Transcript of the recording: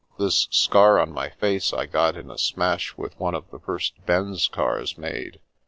This scar on my face I got in a smash with one of the first Benz cars made.